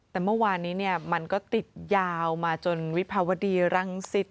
แต่เมื่อวานนี้มันก็ติดยาวมาจนวิภาวดีรังสิต